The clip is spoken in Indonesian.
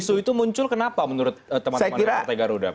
isu itu muncul kenapa menurut teman teman partai garuda